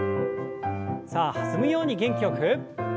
さあ弾むように元気よく。